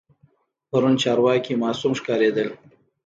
پرون چارواکي معصوم ښکارېدل.